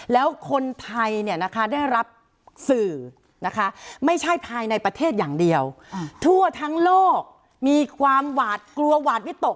แล้วคนไทยได้รับสื่อนะคะไม่ใช่ภายในประเทศอย่างเดียวทั่วทั้งโลกมีความหวาดกลัวหวาดวิตก